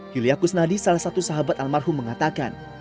yulia kusnadi salah satu sahabat almarhum mengatakan